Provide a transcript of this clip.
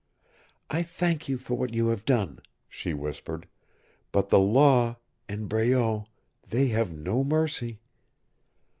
"I thank you for what you have done," she whispered. "But the law and Breault they have no mercy!"